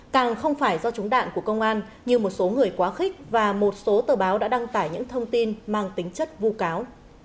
càng không phải do chúng đạn của công an như một số người quá khích và một số tờ báo đã đăng tải những thông tin mang tính chất vụ cáo